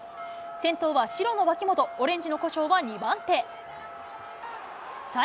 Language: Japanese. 先頭は白の脇本、オレンジの古性は２番手。